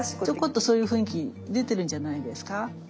ちょこっとそういう雰囲気出てるんじゃないですか。